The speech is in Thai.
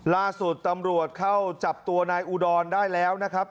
ล่าสุดตำรวจเข้าจับตัวนายอุดรได้แล้วนะครับ